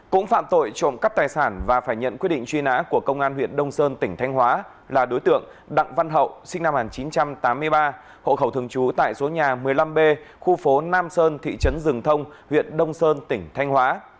cũng phạm tội trộm cắp tài sản và phải nhận quyết định truy nã của công an huyện đông sơn tỉnh thanh hóa là đối tượng đặng văn hậu sinh năm một nghìn chín trăm tám mươi ba hộ khẩu thường trú tại số nhà một mươi năm b khu phố nam sơn thị trấn rừng thông huyện đông sơn tỉnh thanh hóa